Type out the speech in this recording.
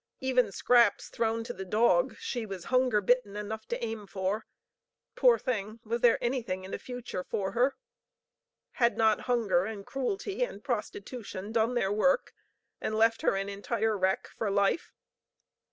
Even scraps thrown to the dog she was hunger bitten enough to aim for. Poor thing, was there anything in the future for her? Had not hunger and cruelty and prostitution done their work, and left her an entire wreck for life?